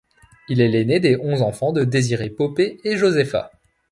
Il est l’ainé des onze enfants de Désiré Poppe et Josefa.